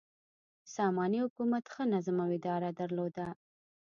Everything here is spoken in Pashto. ساماني حکومت ښه نظم او اداره درلوده.